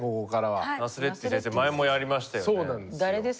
前もやりましたよね。